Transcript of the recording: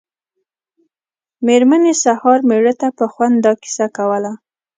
مېرمنې سهار مېړه ته په خوند دا کیسه کوله.